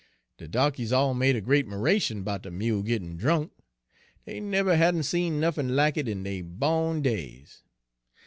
"De darkies all made a great 'miration 'bout de mule gittin' drunk. Dey never hadn' seed nuffin lack it in dey bawn days.